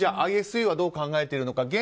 ＩＳＵはどう考えているのか。